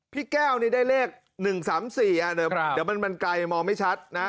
พี่แก้วนี่ได้เลข๑๓๔เดี๋ยวมันไกลมองไม่ชัดนะ